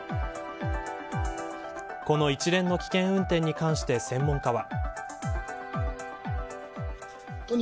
この一連の危険運転に関して専門家は。